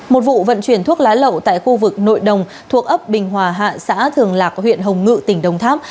một vụ vận chuyển thuốc lá lậu tại khu vực nội đồng thuộc ấp bình hòa hạ xã thường lạc huyện hồng ngự tỉnh đồng tháp